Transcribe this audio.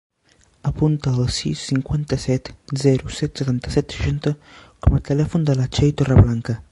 Apunta el sis, cinquanta-set, zero, set, setanta-set, seixanta com a telèfon de la Txell Torreblanca.